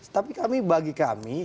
tapi bagi kami